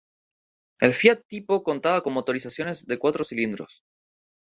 El Fiat Tipo contaba con motorizaciones de cuatro cilindros.